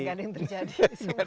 gak ada yang terjadi